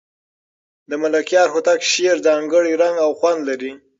د ملکیار هوتک شعر ځانګړی رنګ او خوند لري.